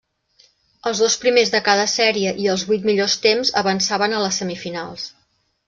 Els dos primers de cada sèrie i els vuit millors temps avançaven a les semifinals.